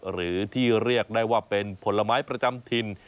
หรือที่เรียกได้ว่าเป็นผลไม้ประจำถิ่น